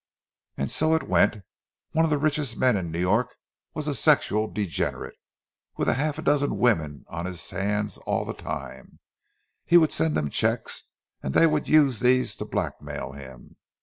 And so it went. One of the richest men in New York was a sexual degenerate, with half a dozen women on his hands all the time; he would send them cheques, and they would use these to blackmail him.